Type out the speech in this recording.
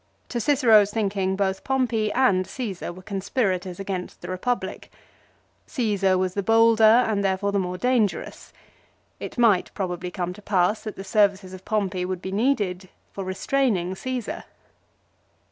To Cicero's thinking both Pompey and Caesar were conspirators against the Eepublic. Caesar was the bolder and therefore the more dangerous. It might probably come to pass that the services of Pompey would be needed for restraining Caesar.